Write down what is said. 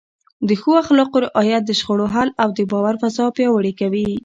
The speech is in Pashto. د ښو اخلاقو رعایت د شخړو حل او د باور فضا پیاوړې کوي.